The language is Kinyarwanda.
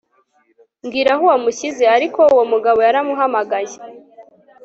mbwira aho wamushyize Ariko uwo mugabo yaramuhamagaye